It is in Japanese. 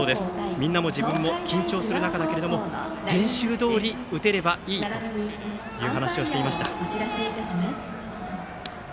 みんなも自分も緊張する中だけれども練習どおり打てればいいと話をしていました。